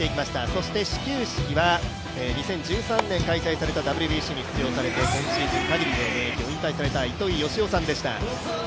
そして始球式は、２０１３年開催されたＷＢＣに出場された、今シーズン限りで引退された糸井嘉男さんでした。